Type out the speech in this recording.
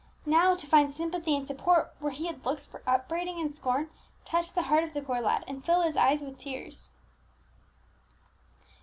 Now to find sympathy and support, where he had looked for upbraiding and scorn, touched the heart of the poor lad, and filled his eyes with tears.